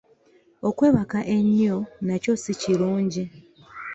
Okwebaka ennyo nakyo si kirungi.